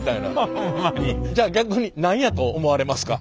じゃあ逆に何やと思われますか？